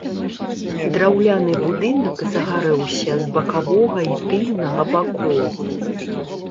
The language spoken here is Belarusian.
Драўляны будынак загарэўся з бакавога і тыльнага бакоў.